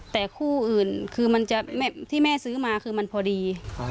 แต่คู่อื่นที่แม่ซื้อมาคือมันพอดี